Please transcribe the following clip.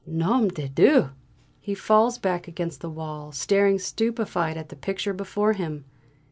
"Nom de Dieu!" He falls back against the wall, staring stupefied at the picture before him.